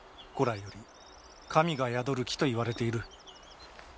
古来より神が宿る木と言われている。